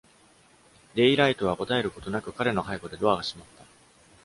デイライトは答えることなく、彼の背後でドアが閉まった。